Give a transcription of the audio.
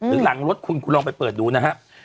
หรือหลังรถคุณคุณลองไปเปิดดูนะครับ